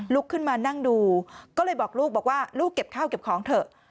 ขึ้นมานั่งดูก็เลยบอกลูกบอกว่าลูกเก็บข้าวเก็บของเถอะ